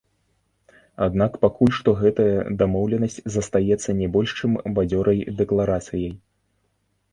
Аднак пакуль што гэтая дамоўленасць застаецца не больш чым бадзёрай дэкларацыяй.